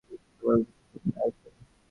দাড়া আজ তোদের বাড়িসুদ্ধ সকলকে টিকে দিয়ে আসব।